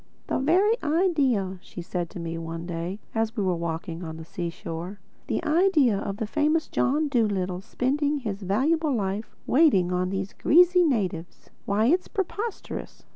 "The very idea," she said to me one day as we were walking on the seashore—"the idea of the famous John Dolittle spending his valuable life waiting on these greasy natives!—Why, it's preposterous!"